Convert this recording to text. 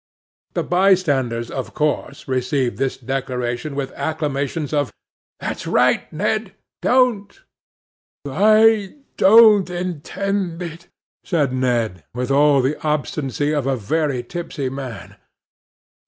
The by standers of course received this declaration with acclamations of 'That's right, Ned; don't!' 'I don't intend it,' said Ned, with all the obstinacy of a very tipsy man.